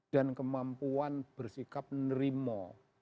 dan kemampuan bersikap nerimo